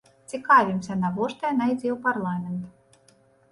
Цікавімся, навошта яна ідзе ў парламент.